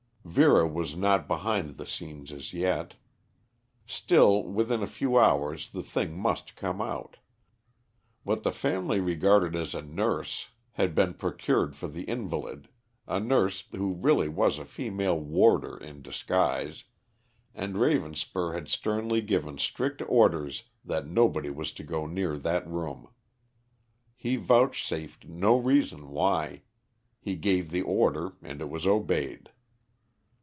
Vera was not behind the scenes as yet. Still, within a few hours the thing must come out. What the family regarded as a nurse had been procured for the invalid, a nurse who really was a female warder in disguise, and Ravenspur had sternly given strict orders that nobody was to go near that room. He vouchsafed no reason why; he gave the order and it was obeyed.